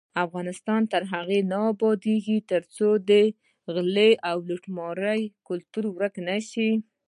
افغانستان تر هغو نه ابادیږي، ترڅو د غلا او لوټمار کلتور ورک نشي.